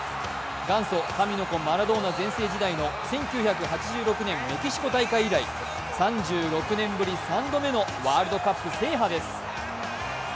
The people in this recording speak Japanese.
元祖神の子・マラドーナ全盛時代の１９８６年メキシコ大会以来、３６年ぶり３度目のワールドカップ制覇です。